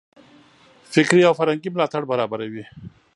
فکري او فرهنګي ملاتړ برابروي.